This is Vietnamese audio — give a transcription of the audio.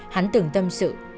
hắn tưởng tâm sự